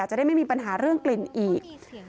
จะได้ไม่มีปัญหาเรื่องกลิ่นอีก